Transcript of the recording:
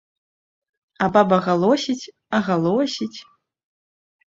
А баба галосіць а галосіць.